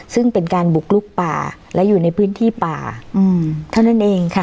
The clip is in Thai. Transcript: ซึ่งเป็นการบุกลุกป่าและอยู่ในพื้นที่ป่าเท่านั้นเองค่ะ